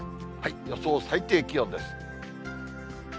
予想最低気温です。